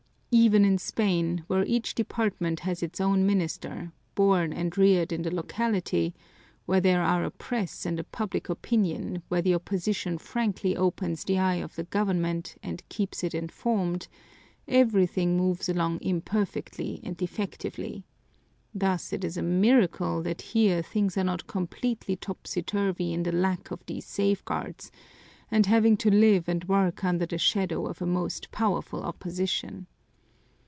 Even in Spain, where each department has its own minister, born and reared in the locality, where there are a press and a public opinion, where the opposition frankly opens the eyes of the government and keeps it informed, everything moves along imperfectly and defectively; thus it is a miracle that here things are not completely topsyturvy in the lack of these safeguards, and having to live and work under the shadow of a most powerful opposition.